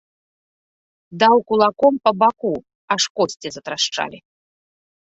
Даў кулаком па баку, аж косці затрашчалі.